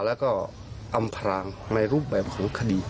แล้วก็อำพรางในรูปแบบของคดี